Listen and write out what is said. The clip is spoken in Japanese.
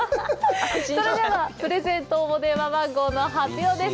それではプレゼント応募電話番号の発表です。